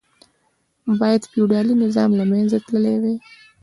باید فیوډالي نظام له منځه تللی وای.